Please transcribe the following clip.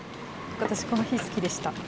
私、この日、好きでした。